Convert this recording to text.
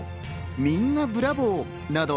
みんなブラボー！など